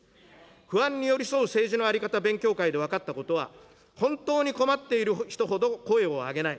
不安に寄り添う政治のあり方勉強会で分かったことは、本当に困っている人ほど声を上げない。